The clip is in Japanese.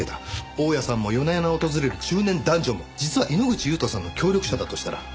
大家さんも夜な夜な訪れる中年男女も実は猪口勇人さんの協力者だとしたら。